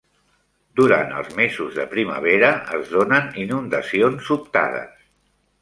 Durant els mesos de primavera es donen inundacions sobtades.